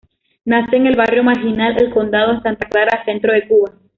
Nace en el barrio marginal El Condado, en Santa Clara, centro de Cuba.